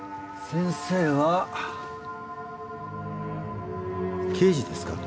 先生は刑事ですか？